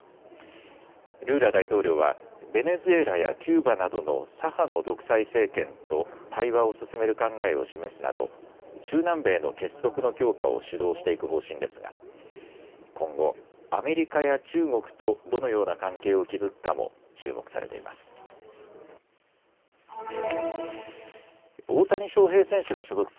ルーラ大統領はベネズエラやキューバなどの左派の独裁政権と対話を進める考えを示すなど中南米の結束の強化を主導していく方針ですが今後アメリカや中国とどのような関係を築くかも注目されています。